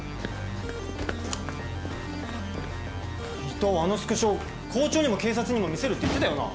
伊藤あのスクショ校長にも警察にも見せるって言ってたよな？